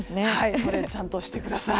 それちゃんとしてください。